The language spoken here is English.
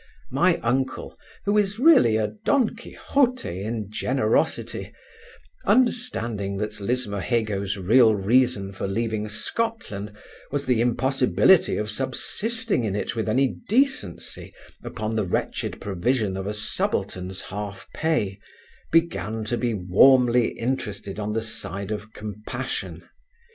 My uncle, who is really a Don Quixote in generosity, understanding that Lismahago's real reason for leaving Scotland was the impossibility of subsisting in it with any decency upon the wretched provision of a subaltern's half pay, began to be warmly interested on the side of compassion.